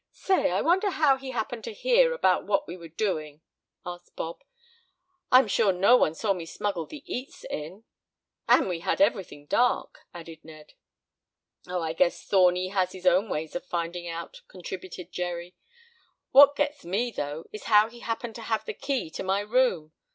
"Say, I wonder how he happened to hear about what we were doing?" asked Bob. "I'm sure no one saw me smuggle the eats in." "And we had everything dark," added Ned. "Oh, I guess Thorny has his own ways of finding out," contributed Jerry. "What gets me, though, is how he happened to have the key to my room.